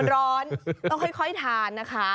ร้อนต้องค่อยทานนะคะ